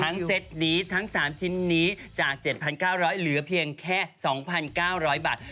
เซตนี้ทั้ง๓ชิ้นนี้จาก๗๙๐๐เหลือเพียงแค่๒๙๐๐บาท